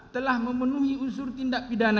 telah memenuhi unsur tindak pidana